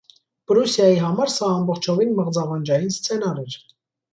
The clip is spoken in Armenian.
Պրուսիայի համար սա ամբողջովին մղձավանջային սցենար էր։